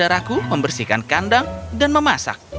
aku memasakkan udara aku membersihkan kandang dan memasak